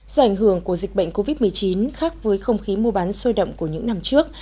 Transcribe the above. do ảnh hưởng của dịch bệnh covid một mươi chín khác với không khí mua bán sôi động của những năm trước